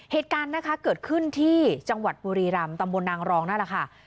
เหตุการณ์นะคะเกิดขึ้นที่จังหวัดบุรีรำตำบลนางรองนั่นแหละค่ะ